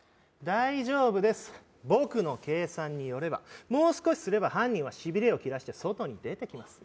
大丈夫です僕の計算によればもう少しすれば犯人はしびれをきらして外に出てきます